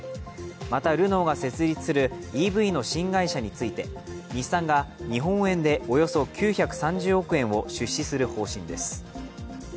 またルノーが設立するＥＶの新会社について日産が日本円でおよそ９３０億円を出資する方針です。